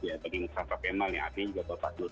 ya bagi musyafat kemal yang artinya juga topak turk